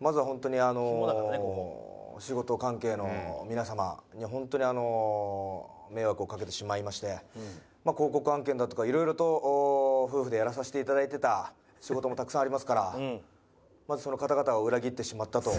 まずは本当にあの仕事関係の皆様には本当に迷惑をかけてしまいまして広告案件だとかいろいろと夫婦でやらさせていただいてた仕事もたくさんありますからまずその方々を裏切ってしまったと。